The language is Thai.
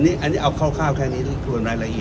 เปิดที่๔แต่ให้ขายได้แค่ที่เชี่ยงคืนมันดูยอดแย้งกัน